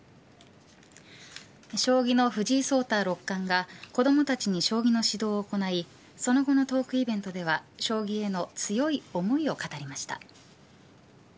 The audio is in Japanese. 将棋の藤井聡太六冠が子どもたちに将棋の指導を行いその後のトークイベントでは将棋への強い思いを語りました。